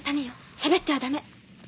しゃべってはダメ。